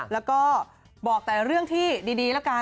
แล้วก็บอกแต่เรื่องที่ดีแล้วกัน